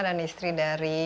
dan istri dari